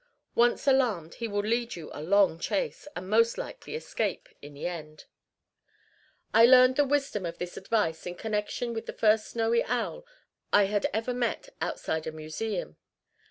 Once alarmed, he will lead you a long chase, and most likely escape in the end. I learned the wisdom of this advice in connection with the first snowy owl I had ever met outside a museum.